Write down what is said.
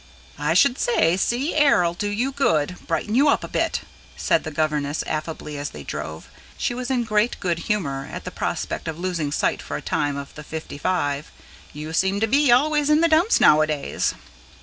"I should say sea air'll do you good brighten you up a bit," said the governess affably as they drove: she was in great good humour at the prospect of losing sight for a time of the fifty five. "You seem to be always in the dumps nowadays."